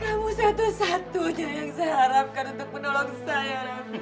kamu satu satunya yang saya harapkan untuk menolong saya nanti